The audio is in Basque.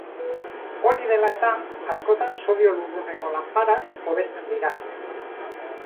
Hori dela-eta, askotan sodio-lurruneko lanparak hobesten dira.